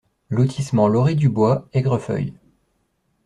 LOTISSEMENT L OREE DU BOIS, Aigrefeuille